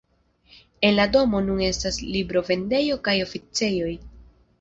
En la domo nun estas librovendejo kaj oficejoj.